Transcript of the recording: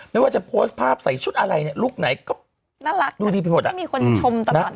แม้ว่าจะโพสต์ภาพใส่ชุดอะไรเนี่ยลูกไหนก็น่ารักนะนี่ดีพิโฟนาไม่มีคนจะชมตลอดเนอะ